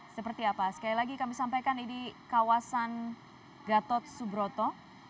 seperti apa sekali lagi kami sampaikan ini kawasan gatot subroto